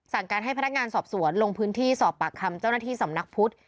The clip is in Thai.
การให้พนักงานสอบสวนลงพื้นที่สอบปากคำเจ้าหน้าที่สำนักพุทธ